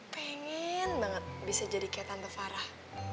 pengen banget bisa jadi kayak tante farah